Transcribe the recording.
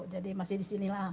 jadi masih di sini lah